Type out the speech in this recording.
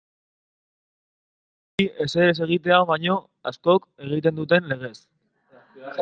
Hobe hori ezer ez egitea baino, askok egiten duten legez.